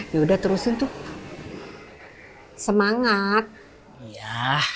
ya udah terusin tuh semangat ya